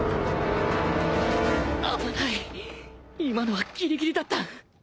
今のはギリギリだった